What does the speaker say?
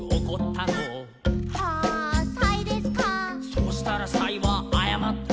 「そしたらサイはあやまった」